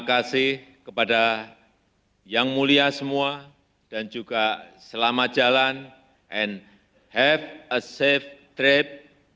terima kasih kepada yang mulia semua dan juga selamat jalan and have a safe trip